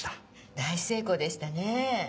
大成功でしたねぇ。